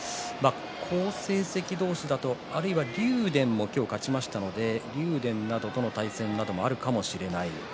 好成績同士だと竜電も今日勝ちましたので竜電との対戦もあるかもしれません。